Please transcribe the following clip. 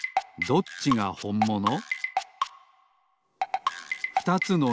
どっちがほんもの？